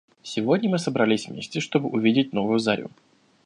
Сегодня мы собрались вместе, чтобы увидеть новую зарю.